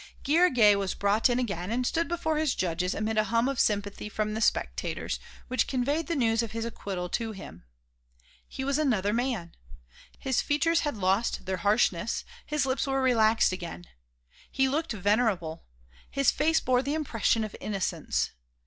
Guillergues was brought in again and stood before his judges amid a hum of sympathy from the spectators which conveyed the news of his acquittal to him. He was another man. His features had lost their harshness, his lips were relaxed again. He looked venerable; his face bore the impression of innocence.